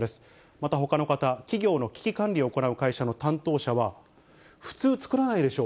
またほかの方、企業の危機管理を行う会社の担当者は、普通作らないでしょ。